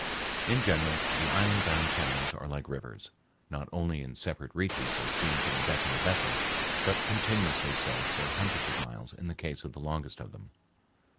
In general, the island bound channels are like rivers, not only in separate reaches as seen from the deck of a vessel, but continuously so for hundreds of miles in the case of the longest of them.